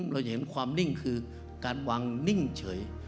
เราจะเห็นความนิ่งคือการวางนิ่งเฉย